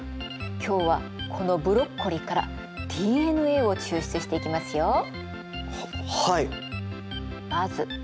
今日はこのブロッコリーからＤＮＡを抽出していきますよ。ははい。